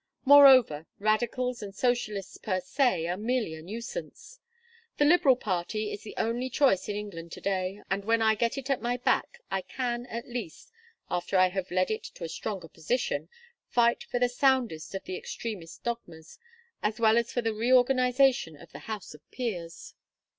Moreover, radicals and socialists per se are merely a nuisance. The Liberal party is the only choice in England to day, and when I get it at my back, I can, at least, after I have led it to a stronger position, fight for the soundest of the extremist dogmas, as well as for the reorganization of the House of Peers.